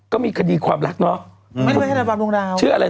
ก็มีคดีความรักเนอะไม่ไม่ใช่ระบำดวงดาวเชื่ออะไร